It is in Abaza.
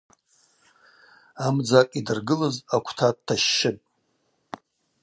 Амдзакӏ йдыргылыз аквта дтащщытӏ.